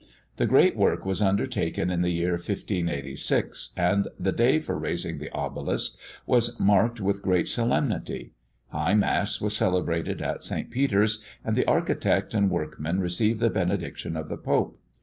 The great work was undertaken in the year 1586, and the day for raising the obelisk was marked with great solemnity. High mass was celebrated at St. Peter's, and the architect and workmen received the benediction of the Pope.